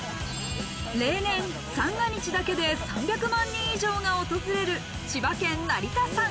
例年、三が日だけで３００万人以上が訪れる千葉県成田山。